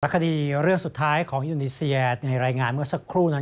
คดีเรื่องสุดท้ายของอินโดนีเซียในรายงานเมื่อสักครู่นั้น